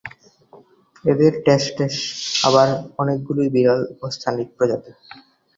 এদের মধ্যে আবার অনেকগুলিই বিরল ও স্থানিক প্রজাতি।